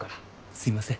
すいません。